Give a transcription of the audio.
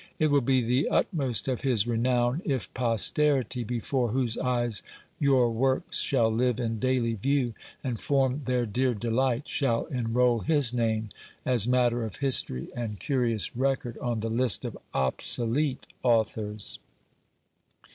It will be the utmost of his renown, if posterity, before whose eyes your works shall live in daily view, and form their dear delight, shall enrol his name, as matter of history and curious record, on the list of obsolete authors.